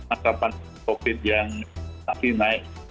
masalah covid yang masih naik